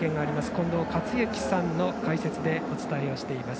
近藤克之さんの解説でお伝えをしています。